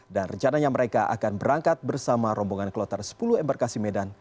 dan rencananya mereka akan berangkat bersama rombongan kloter sepuluh embarkasi medan